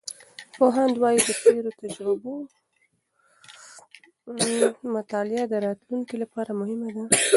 پوهاند وایي، د تیرو تجربو مطالعه د راتلونکي لپاره مهمه ده.